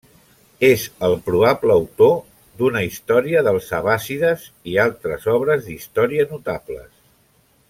És el probable autor d'una història dels abbàssides i altres obres d'història notables.